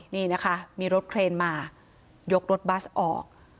นี่นะคะมีรถเครนมายกรถบัสออก